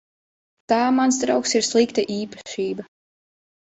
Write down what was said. Tā, mans draugs, ir slikta īpašība.